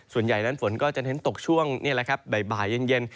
ส่วนใหญ่ฝนก็จะเห็นตกช่วงใบบ่ายเย็น